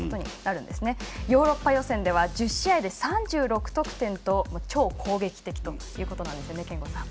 ヨーロッパ予選では１０試合で３６得点と超攻撃的ということなんです。